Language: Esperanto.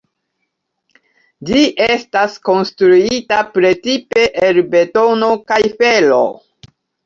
Ĝi estas konstruita precipe el betono kaj fero.